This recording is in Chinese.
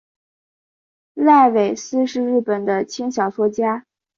濑尾司是日本的轻小说作家。